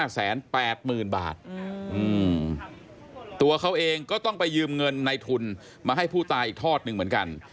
ตัวเขาเองก็ต้องไปยืมเงินในทุนมาให้ผู้ตายอีกทอดหนึ่งเหมือนกัน